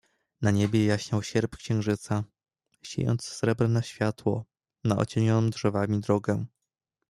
"Na niebie jaśniał sierp księżyca, siejąc srebrne światło, na ocienioną drzewami drogę."